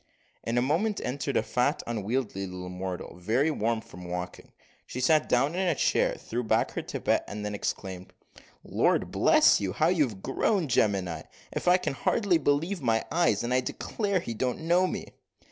In a moment entered a fat unwieldy little mortal, very warm from walking; she sat down in a chair, threw back her tippet, and then exclaimed, "Lord bless you, how you have grown! gemini, if I can hardly believe my eyes; and I declare he don't know me."